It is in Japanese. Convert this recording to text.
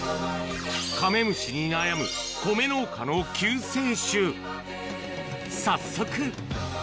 カメムシに悩む米農家の救世主。